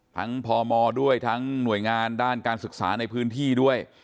พมด้วยทั้งหน่วยงานด้านการศึกษาในพื้นที่ด้วย